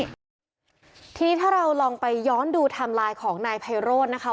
ทีนี้ถ้าเราลองไปย้อนดูไทม์ไลน์ของนายไพโรธนะคะ